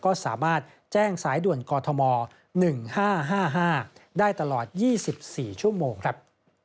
ก็สามารถแจ้งสายด่วนกอทม๑๕๕๕ได้ตลอด๒๔ชั่วโมงครับ